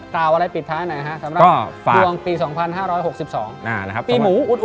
กล่าวอะไรปิดท้ายหน่อยฮะสำหรับดวงปี๒๕๖๒ปีหมู